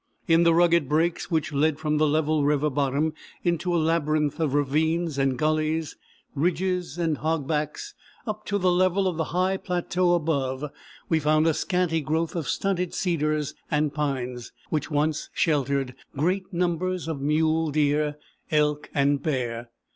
In the rugged brakes, which led from the level river bottom into a labyrinth of ravines and gullies, ridges and hog backs, up to the level of the high plateau above, we found a scanty growth of stunted cedars and pines, which once sheltered great numbers of mule deer, elk, and bear.